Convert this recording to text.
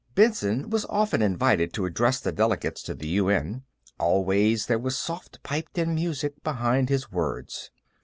Benson was often invited to address the delegates to the UN; always, there was soft piped in music behind his words.